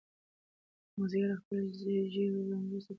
مازیګر د خپلو ژېړو وړانګو سره په رخصتېدو و.